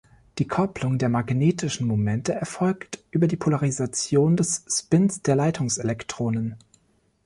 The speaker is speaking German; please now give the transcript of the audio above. Die Kopplung der magnetischen Momente erfolgt über die Polarisation des Spins der Leitungselektronen.